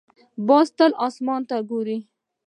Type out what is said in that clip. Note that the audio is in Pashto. باز تل اسمان ته ګوري